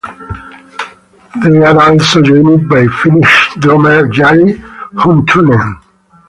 They are also joined by Finnish drummer Jari Huttunen.